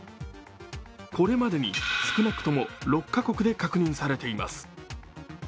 これまでに少なくとも６カ国で確認されています。